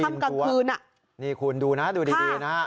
เนี่ยดังค่ำกลางคืนน่ะนี่คุณดูนะดูดีดีนะค่ะ